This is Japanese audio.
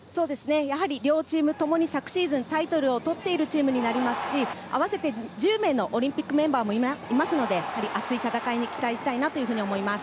やはり両チームともに昨シーズン、タイトルを取っているチームになりますし、合わせて１０名のオリンピックメンバーもいますので、熱い戦いに期待したいと思います。